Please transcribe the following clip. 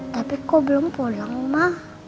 tapi kok belum pulang ma